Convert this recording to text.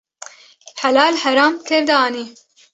Helal heram tev de anî